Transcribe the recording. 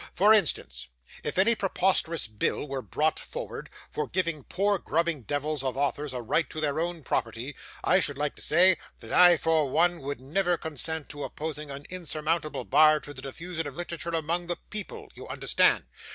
For instance, if any preposterous bill were brought forward, for giving poor grubbing devils of authors a right to their own property, I should like to say, that I for one would never consent to opposing an insurmountable bar to the diffusion of literature among THE PEOPLE, you understand?